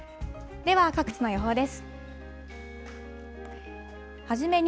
では各地の予報です。